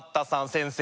先生！